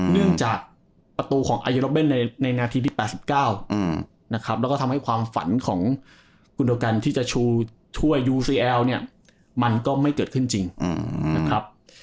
เนื่องจากประตูของอายุรบินในนาทีที่๘๙นะครับ